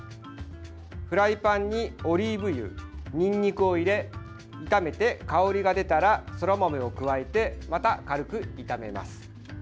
フライパンにオリーブ油ニンニクを入れ炒めて香りが出たらそら豆を加えてまた軽く炒めます。